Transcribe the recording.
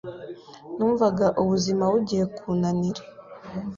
Numvaga ubuzima bugiye kunanira